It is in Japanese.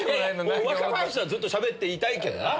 若林とはずっとしゃべっていたいけどな。